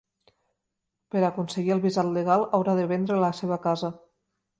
Per a aconseguir el visat legal, haurà de vendre la seva casa.